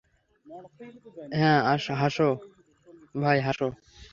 হ্যাঁ, হাসো ভাই হাসো।